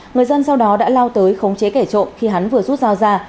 người dân sau đó đã lao tới khống chế kẻ trộm khi hắn vừa rút dao ra